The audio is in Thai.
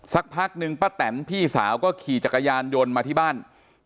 สักพักนึงป้าแตนพี่สาวก็ขี่จักรยานยนต์มาที่บ้าน